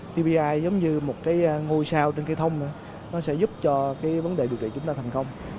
tbi giống như một cái ngôi sao trên cây thông nó sẽ giúp cho cái vấn đề điều trị chúng ta thành công